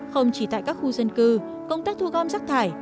không chỉ tại các khu dân cư công tác thu gom rác thải